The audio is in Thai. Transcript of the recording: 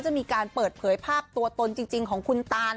จะมีการเปิดเผยภาพตัวตนจริงของคุณตาน